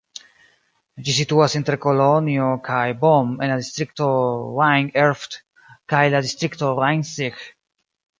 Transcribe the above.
Ĝi situas inter Kolonjo kaj Bonn en la distrikto Rhein-Erft kaj la distrikto Rhein-Sieg.